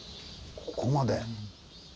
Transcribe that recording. ここまで。